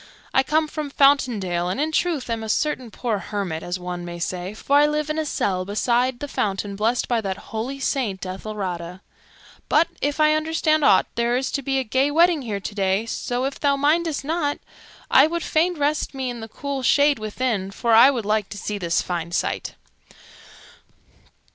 I come from Fountain Dale and, in truth, am a certain poor hermit, as one may say, for I live in a cell beside the fountain blessed by that holy Saint Ethelrada. But, if I understand aught, there is to be a gay wedding here today; so, if thou mindest not, I would fain rest me in the cool shade within, for I would like to see this fine sight."